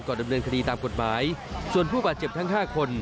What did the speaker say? ดำเนินคดีตามกฎหมายส่วนผู้บาดเจ็บทั้งห้าคน